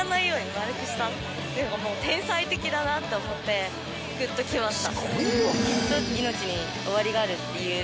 「丸くした」っていうのがもう天才的だなと思ってグッときました